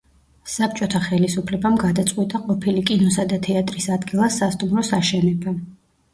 საბჭოთა ხელისუფლებამ გადაწყვიტა ყოფილი კინოსა და თეატრის ადგილას სასტუმროს აშენება.